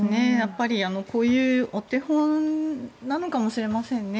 こういうお手本なのかもしれませんね。